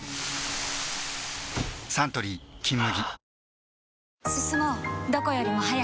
サントリー「金麦」